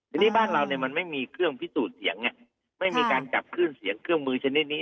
ทีนี้บ้านเราเนี่ยมันไม่มีเครื่องพิสูจน์เสียงไม่มีการจับขึ้นเสียงเครื่องมือชนิดนี้